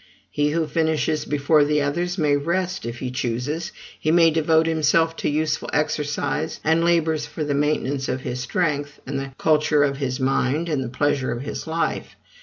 He who finishes before the others may rest, if he chooses; he may devote himself to useful exercise and labors for the maintenance of his strength, and the culture of his mind, and the pleasure of his life.